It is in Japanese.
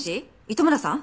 糸村さん？